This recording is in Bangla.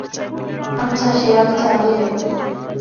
আচ্ছা সে আমি চালিয়ে নেব।